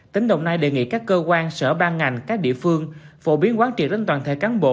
tỉnh đồng nai đề nghị các cơ quan sở ban ngành các địa phương phổ biến quán triệt đến toàn thể cán bộ